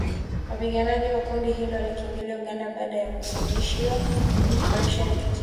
Wapiganaji wa kundi hilo walikimbilia Uganda baada ya kuzidiwa na operesheni ya kijeshi